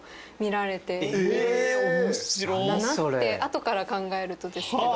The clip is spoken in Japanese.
後から考えるとですけど。